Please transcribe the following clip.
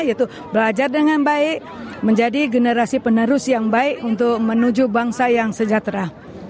yaitu belajar dengan baik menjadi generasi penerus yang baik untuk menuju bangsa yang sejahtera